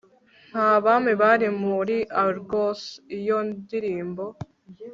nta bami bari muri Argos iyo ndirimbo